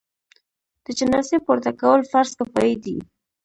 د جنازې پورته کول فرض کفایي دی.